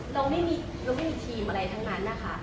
เราไม่มีทีมอะไรทั้งนั้นนะคะ